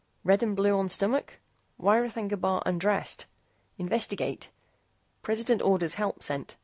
RED AND BLUE ON STOMACH? WHY R'THAGNA BAR UNDRESSED? INVESTIGATE! PRESIDENT ORDERS HELP SENT.